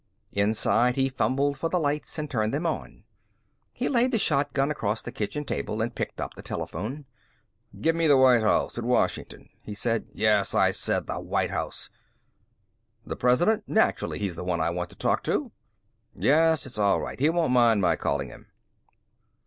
Inside, he fumbled for the lights and turned them on. He laid the shotgun across the kitchen table and picked up the telephone. "Give me the White House at Washington," he said. "Yes, I said the White House.... The President? Naturally he's the one I want to talk to.... Yes, it's all right. He won't mind my calling him."